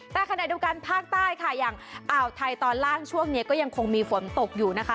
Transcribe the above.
แต่ขณะเดียวกันภาคใต้ค่ะอย่างอ่าวไทยตอนล่างช่วงนี้ก็ยังคงมีฝนตกอยู่นะคะ